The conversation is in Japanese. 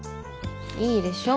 いいでしょ